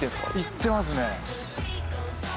行ってますね